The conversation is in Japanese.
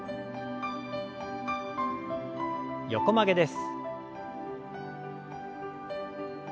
横曲げです。